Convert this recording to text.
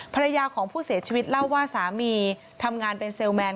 ภรรยาของผู้เสียชีวิตเล่าว่าสามีทำงานเป็นเซลแมน